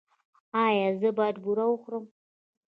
ایا زه باید بوره وخورم؟